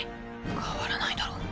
変わらないだろ。